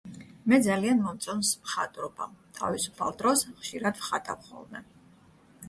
მე ძალიან მომწონს მხატვრობა. თავისუფალ დროს ხშირად ვხატავ ხოლმე.